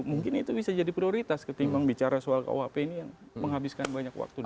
mungkin itu bisa jadi prioritas ketimbang bicara soal kuhp ini yang menghabiskan banyak waktu